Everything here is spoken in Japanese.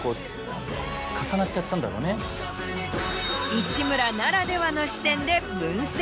市村ならではの視点で分析。